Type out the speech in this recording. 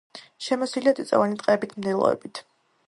შემოსილია წიწვოვანი ტყეებით, მდელოებით.